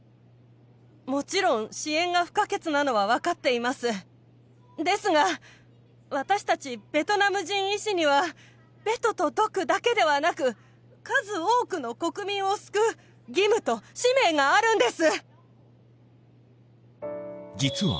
もちろん支援が不可欠なのは分かっていますですが私たちベトナム人医師にはベトとドクだけではなく数多くの国民を救う義務と使命があるんです